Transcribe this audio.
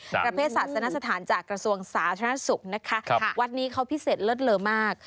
ประเภทศาสนสถานจากกระทรวงสาธารณสุขนะคะวัดนี้เขาพิเศษเลิศเลอมาก